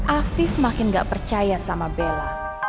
afif makin nggak percaya sama bella